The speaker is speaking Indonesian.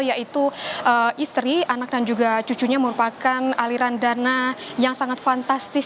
yaitu istri anak dan juga cucunya merupakan aliran dana yang sangat fantastis